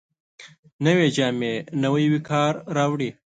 نوې جامې نوی وقار راوړي